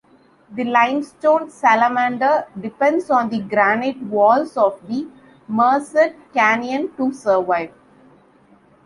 The limestone salamander depends on the granite walls of the Merced Canyon to survive.